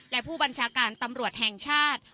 และผู้บัญชาการตำรวจแห่งชาติ